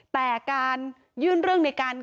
แต่การยื่นเรื่องในการ